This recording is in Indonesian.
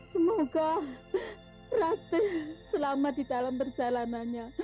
semoga ratih selama di dalam perjalanannya